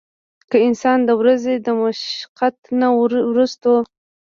کۀ انسان د ورځې د مشقت نه وروستو